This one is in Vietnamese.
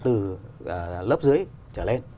từ lớp dưới trở lên